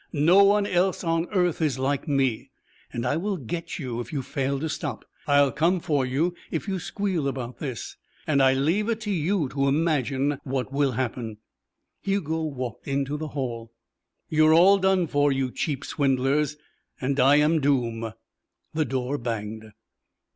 No one else on earth is like me and I will get you if you fail to stop. I'll come for you if you squeal about this and I leave it to you to imagine what will happen." Hugo walked into the hall. "You're all done for you cheap swindlers. And I am doom." The door banged.